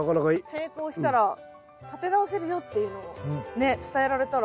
成功したら立て直せるよっていうのをね伝えられたら。